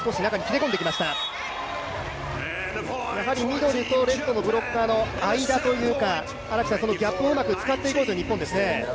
ミドルとレフトのブロッカーの間というか、ギャップをうまく使っていこうということですね。